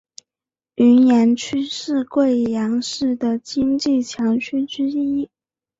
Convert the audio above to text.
云岩区是贵阳市的经济强区之一。